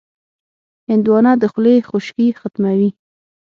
هندوانه د خولې خشکي ختموي.